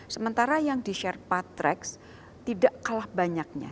sementara yang di sherpa track tidak kalah banyaknya